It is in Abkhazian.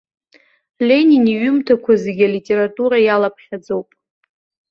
Ленин иҩымҭақәа зегьы алитература иалаԥхьаӡоуп.